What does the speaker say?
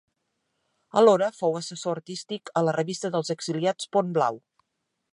Alhora, fou assessor artístic a la revista dels exiliats Pont Blau.